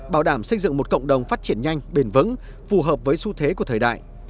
bảo đảm xây dựng một cộng đồng phát triển nhanh bền vững phù hợp với xu thế của thời đại